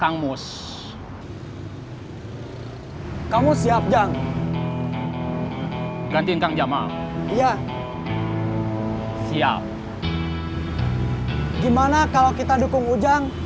gimana kalau kita dukung ujang